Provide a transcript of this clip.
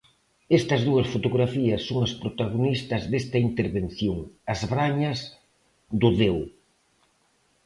Estas dúas fotografías son as protagonistas desta intervención: as brañas do Deo.